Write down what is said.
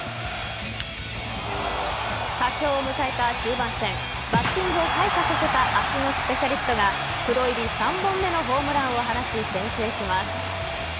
佳境を迎えた終盤戦バッティングを開花させた足のスペシャリストがプロ入り３本目のホームランを放ち先制します。